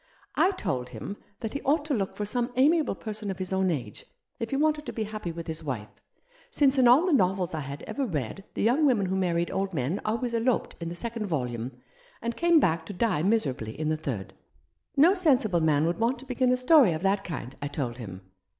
I told him that he ought to look for some amiable person of his own age, if he wanted to be happy with his wife, since in all the novels I had ever read the young women who married old men always eloped in the second volume, and came back to die 6 " How should I greet Thee f " miserably in the third. No sensible man would want to begin a story of that kind, I told him.